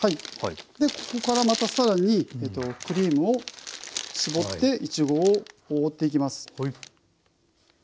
ここからまた更にクリームを絞っていちごを覆っていきます。